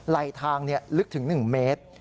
ไหลทางลึกถึง๑เมตร